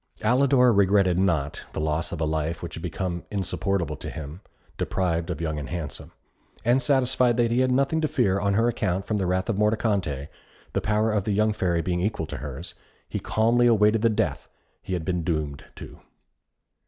Alidor regretted not the loss of a life which had become insupportable to him, deprived of Young and Handsome; and satisfied that he had nothing to fear on her account from the wrath of Mordicante, the power of the young Fairy being equal to hers, he calmly awaited the death he had been doomed to.